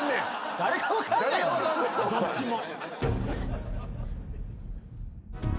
どっちも。